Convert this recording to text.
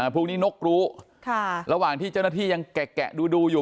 พวกนี้นกรู้ระหว่างที่เจ้าหน้าที่ยังแกะดูอยู่